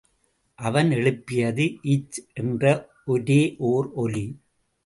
அவன் எழுப்பியது இச் என்ற ஒரே ஓர் ஒலி.